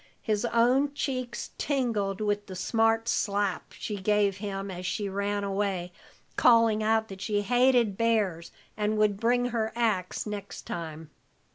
His own cheeks tingled with the smart slap she gave him as she ran away, calling out that she hated bears and would bring her ax next time.